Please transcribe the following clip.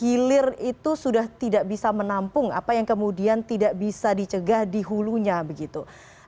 hilir itu sudah tidak bisa menampung apa yang kemudian tidak bisa dicegah di hulunya begitu